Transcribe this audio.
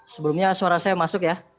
sebelumnya suara saya masuk ya